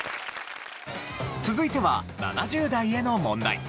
続いては７０代への問題。